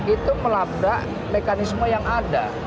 itu melabrak mekanisme yang ada